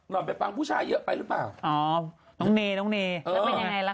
ไปฟังผู้ชายเยอะไปหรือเปล่าอ๋อน้องเนน้องเนแล้วเป็นยังไงล่ะค